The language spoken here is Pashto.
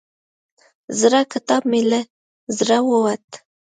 زړه کتاب مې له زړه ووت.